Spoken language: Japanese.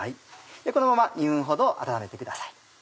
このまま２分ほど温めてください。